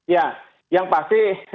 ya yang pasti